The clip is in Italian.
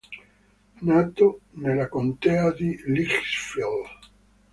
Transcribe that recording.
Nato nella Contea di Litchfield.